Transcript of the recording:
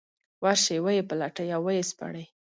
ورشي ویې پلټي او ويې سپړي.